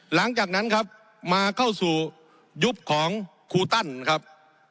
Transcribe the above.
หลังจากนั้นครับมาเข้าสู่ยุคของครูตันครับ